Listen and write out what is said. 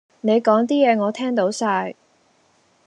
你講啲嘢我聽到晒